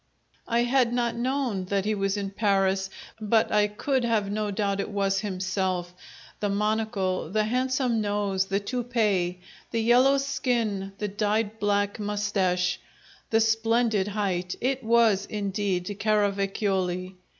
I had not known that he was in Paris, but I could have no doubt it was himself: the monocle, the handsome nose, the toupee', the yellow skin, the dyed black moustache, the splendid height it was indeed Caravacioli!